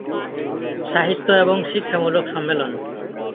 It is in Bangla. সাহিত্য এবং শিক্ষামূলক সম্মেলন।